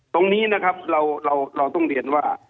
ตรงนี้นะครับเราต้องเรียนว่า